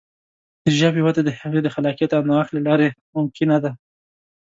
د ژبې وده د هغې د خلاقیت او نوښت له لارې ممکنه ده.